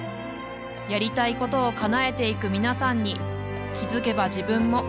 やりたいことをかなえていく皆さんに気付けば自分も背中を押されていた